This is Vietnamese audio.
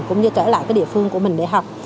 cũng như trở lại cái địa phương của mình để học